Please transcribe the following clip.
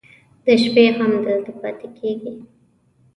د شپې هم دلته پاتې کېږي.